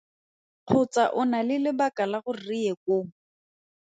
Kgotsa o na le lebaka la gore re ye koo?